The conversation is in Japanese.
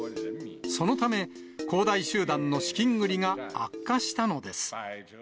そのため、恒大集団の資金繰りが悪化したのです。